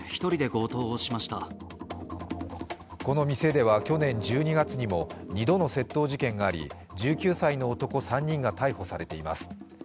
この店では去年１２月にも２度の窃盗事件があり、１９歳の男３人が逮捕されています。